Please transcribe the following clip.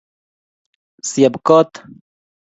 syeb koot